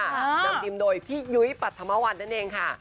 นำทีมโดยพี่ยุ้ยปรัฐมวัลนั่นเองค่ะ